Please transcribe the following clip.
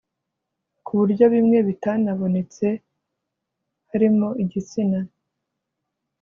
ku buryo bimwe bitanabonetse harimo igitsina